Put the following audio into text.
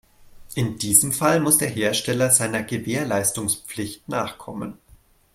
In diesem Fall muss der Hersteller seiner Gewährleistungspflicht nachkommen.